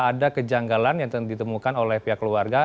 ada kejanggalan yang ditemukan oleh pihak keluarga